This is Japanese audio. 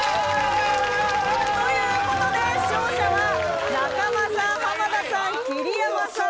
ということで勝者は中間さん田さん桐山さん